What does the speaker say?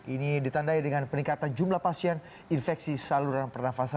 ini ditandai dengan peningkatan jumlah pasien infeksi saluran pernafasan